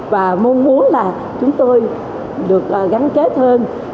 và mong muốn là chúng tôi được gắn kết hơn